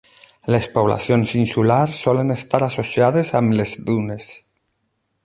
Les poblacions insulars solen estar associades amb les dunes.